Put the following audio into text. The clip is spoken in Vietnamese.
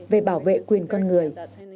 về bảo vệ quyền con người